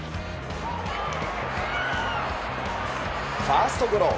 ファーストゴロ。